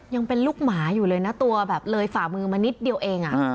ยังเป็นลูกหมาอยู่เลยนะตัวแบบเลยฝ่ามือมานิดเดียวเอง